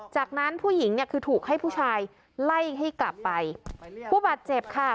จากนั้นผู้หญิงเนี่ยคือถูกให้ผู้ชายไล่ให้กลับไปผู้บาดเจ็บค่ะ